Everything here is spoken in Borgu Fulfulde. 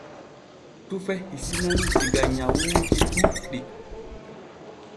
Tufe hisinan diga nyawuuji ɗuuɗɗi.